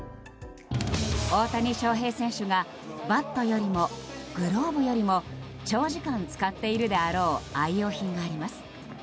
大谷翔平選手がバットよりもグローブよりも長時間使っているであろう愛用品があります。